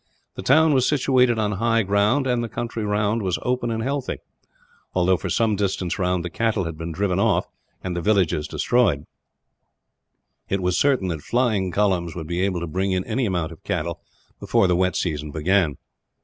The town was situated on high ground, and the country round was open and healthy. Although for some little distance round the cattle had been driven off, and the villages destroyed; it was certain that flying columns would be able to bring in any amount of cattle, before the wet season began.